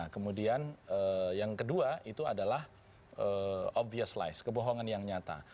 kemudian yang kedua itu adalah obvious lies kebohongan yang nyata